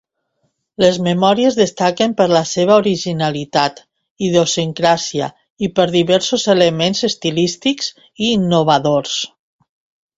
Les memòries destaquen per la seva originalitat, idiosincràsia i per diversos elements estilístics i innovadors.